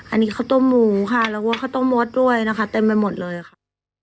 อันนี้ข้าวต้มหมูค่ะแล้วก็ข้าวต้มมดด้วยนะคะเต็มไปหมดเลยค่ะ